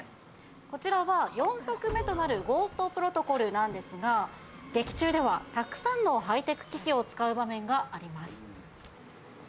こちらは４作目となる『ゴースト・プロトコル』なんですが劇中ではたくさんのハイテク機器を使う場面があります。